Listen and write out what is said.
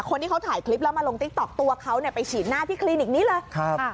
คนที่เขาถ่ายคลิปแล้วมาลงติ๊กต๊อกตัวเขาเนี่ยไปฉีดหน้าที่คลินิกนี้เลยครับ